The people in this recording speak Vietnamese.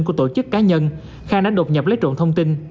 của tổ chức cá nhân khang đã đột nhập lấy trộn thông tin